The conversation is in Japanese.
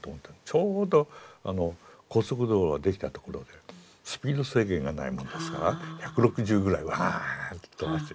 ちょうど高速道路ができたところでスピード制限がないものですから１６０ぐらいワーッと飛ばして。